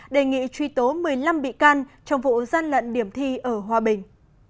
đề nghị truy tố một mươi năm bị can trong vụ gian lận điểm thi ở hòa bình